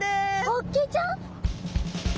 ホッケちゃん？